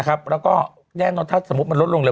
แล้วก็แน่นอนถ้าสมมุติมันลดลงเร็